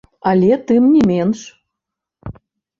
Але тым не менш.